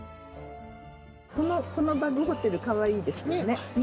このバグホテルかわいいですよね。